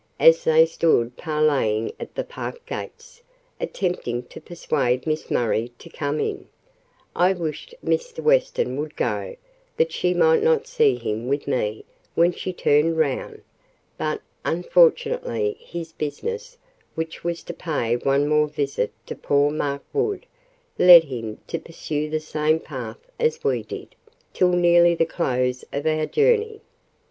As they stood parleying at the park gates, attempting to persuade Miss Murray to come in, I wished Mr. Weston would go, that she might not see him with me when she turned round; but, unfortunately, his business, which was to pay one more visit to poor Mark Wood, led him to pursue the same path as we did, till nearly the close of our journey.